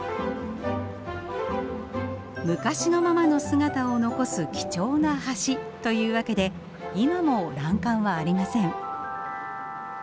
昔のままの姿を残す貴重な橋というわけで今も欄干はありません。